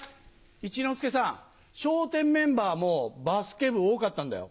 一之輔さん、笑点メンバーもバスケ部多かったんだよ。